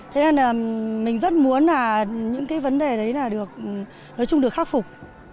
thế nên là mình rất muốn là những cái vấn đề đấy là được nói chung được khắc phục